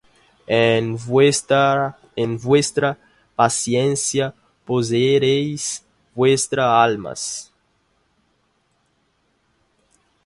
En vuestra paciencia poseeréis vuestras almas.